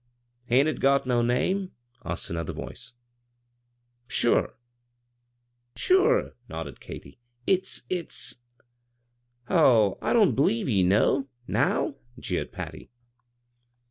" Hain't it got no name?" asked another voice. "Sure I" nodded Katy. "Ifs— ifs "" Ho I I don't b'lieve ye know, now," jeered Patty.